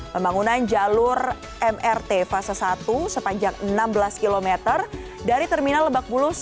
pembangunan jalur mrt fase satu sepanjang enam belas km dari terminal lebak bulus